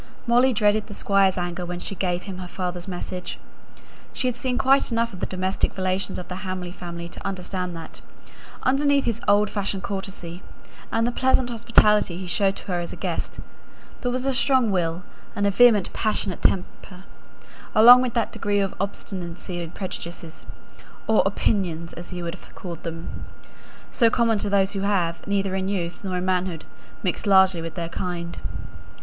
Molly dreaded the Squire's anger when she gave him her father's message. She had seen quite enough of the domestic relations of the Hamley family to understand that, underneath his old fashioned courtesy, and the pleasant hospitality he showed to her as a guest, there was a strong will, and a vehement passionate temper, along with that degree of obstinacy in prejudices (or "opinions," as he would have called them) so common to those who have, neither in youth nor in manhood, mixed largely with their kind.